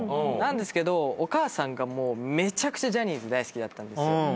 ですけどお母さんがめちゃくちゃジャニーズ大好きだったんです。